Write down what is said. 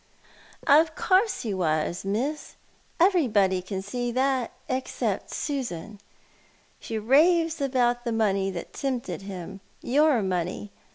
Of course he was, Miss. Everybody can see that, except Susan. She raves about the money that tempted him — your money.